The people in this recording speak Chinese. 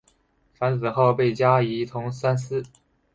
樊子鹄被加仪同三司。